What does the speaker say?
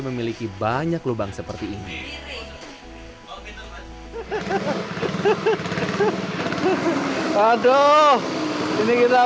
selanjutnya proses mengayak